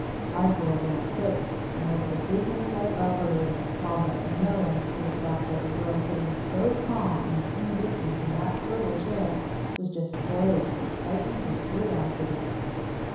I twirled round quick and was the business like operator. I'll bet no one would have thought that the girl sitting so calm and indifferent in that swivel chair was just boiling with excitement and curiosity.